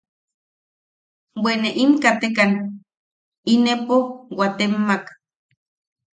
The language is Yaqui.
Bwe im katekan, inepo waatemmak.